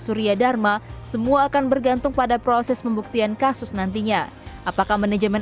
surya dharma semua akan bergantung pada proses pembuktian kasus nantinya apakah manajemen